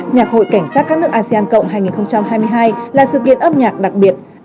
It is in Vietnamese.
nhạc hội cảnh sát các nước asean cộng hai nghìn hai mươi hai là sự kiện âm nhạc đặc biệt